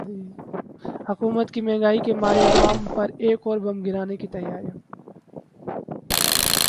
حکومت کی مہنگائی کے مارے عوام پر ایک اور بم گرانے کی تیاریاں